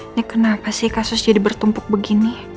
ini kenapa sih kasus jadi bertumpuk begini